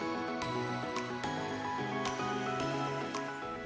jadi itu mungkin yang membuatnya lebih manis